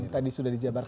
tadi sudah dijabarkan dulu